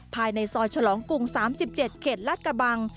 ภายในซอยฉลองกรุง๓๗เขตรัฐกระบัง